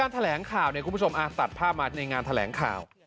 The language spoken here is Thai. ตัดภาพมาในงานแถลงข่าว